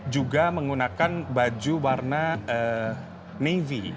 juga menggunakan baju warna navy